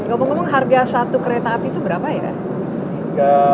ngomong ngomong harga satu kereta api itu berapa ya